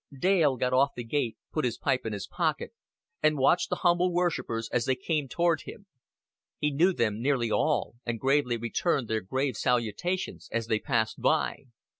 Dale got off the gate, put his pipe in his pocket, and watched the humble worshipers as they came toward him. He knew them nearly all, and gravely returned their grave salutations as they passed by.